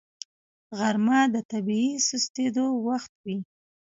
غرمه د طبیعي سستېدو وخت وي